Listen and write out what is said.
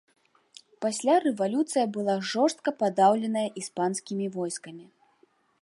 Пасля рэвалюцыя была жорстка падаўленая іспанскімі войскамі.